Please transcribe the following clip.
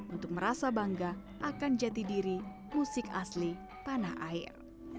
untuk merasa bangga akan jati diri musik asli tanah air